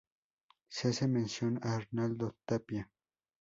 Se hace mención a Arnaldo Tapia.